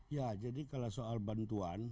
ya jadi kalau soal bantuan